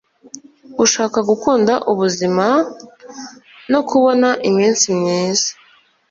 Ushaka gukunda ubuzima no kubona iminsi myiza